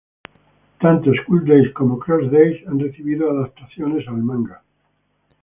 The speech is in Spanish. Tanto "School Days" como "Cross Days" han recibido adaptaciones a manga.